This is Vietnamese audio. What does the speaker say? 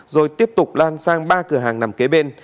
rồi tiếp tục lan sang ba cửa hàng nằm kế bên